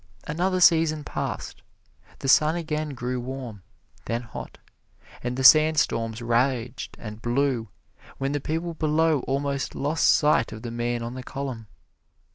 Another season passed; the sun again grew warm, then hot, and the sand storms raged and blew, when the people below almost lost sight of the man on the column.